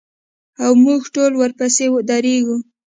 او موږ ټول ورپسې درېږو.